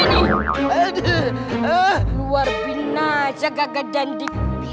luar binah jaga gandan di